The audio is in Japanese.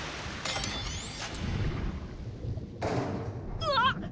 うわっ！